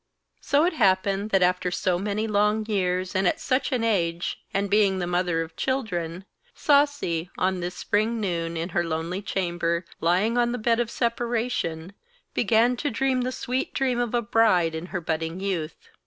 So it happened that after so many long years, and at such an age, and being the mother of children, Sasi, on this spring noon, in her lonely chamber, lying on the bed of separation, began to dream the sweet dream of a bride in her budding youth.